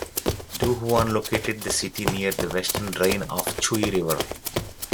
Du Huan located the city near the western drain of the Chui River.